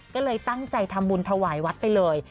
ก็เลยตั้งใจทำบุญถวายวัดไปเลย